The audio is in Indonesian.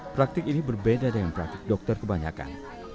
praktek ini berbeda dengan praktek dokter kebanyakan